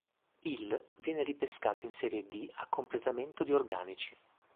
Il viene ripescato in Serie D a completamento di organici.